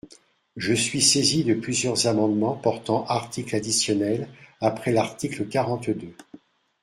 Je suis saisi de plusieurs amendements portant articles additionnels après l’article quarante-deux.